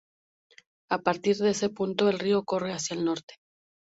A partir de ese punto el río corre hacia el norte.